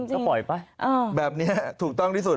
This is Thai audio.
ก็ปล่อยไปแบบนี้ถูกต้องที่สุด